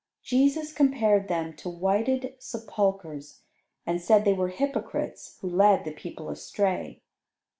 Jesus compared them to whited sepulchres, and said they were hypocrites, who led the people astray.